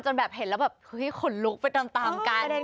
จนแบบเห็นแล้วแบบคุณลุกไปตามกัน